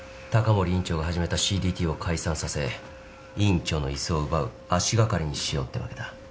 高森院長が始めたＣＤＴを解散させ院長の椅子を奪う足掛かりにしようってわけだ。